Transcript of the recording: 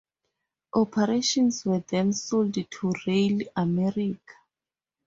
Operations were then sold to RailAmerica.